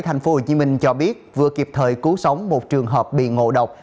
thành phố hồ chí minh cho biết vừa kịp thời cứu sống một trường hợp bị ngộ độc